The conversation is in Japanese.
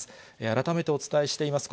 改めてお伝えしています。